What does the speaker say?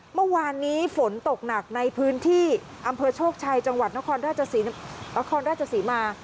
เมื่อวานนี้ฝนตกหนักในพื้นที่อำเภอโชคชัยจังหวัดนครราชศรีมา